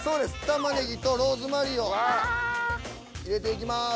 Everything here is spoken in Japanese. タマネギとローズマリーを入れていきます。